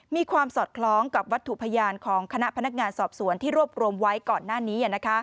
ความสอดคล้องกับวัตถุพยานของคณะพนักงานสอบสวนที่รวบรวมไว้ก่อนหน้านี้